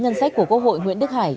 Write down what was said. ngân sách của quốc hội nguyễn đức hải